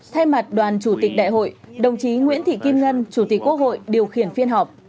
thay mặt đoàn chủ tịch đại hội đồng chí nguyễn thị kim ngân chủ tịch quốc hội điều khiển phiên họp